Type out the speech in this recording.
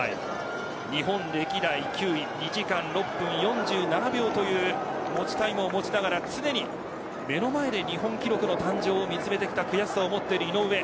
日本歴代９位２時間６分４７秒というタイムを持ちながら目の前で日本記録の誕生を見つめてきた悔しさを持っている井上。